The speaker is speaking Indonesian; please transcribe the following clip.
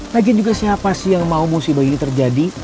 najin juga siapa sih yang mau musibah ini terjadi